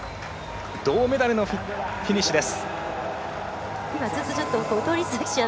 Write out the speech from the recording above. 銅メダルのフィニッシュです。